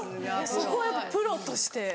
そこはやっぱプロとして？